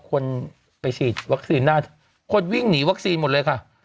คนไปฉีดวัคซีนหน้าที่คนวิ่งหนีวัคซีนหมดเลยค่ะ